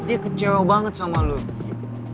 dia kecewa banget sama lo ki